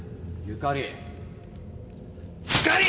ゆかり！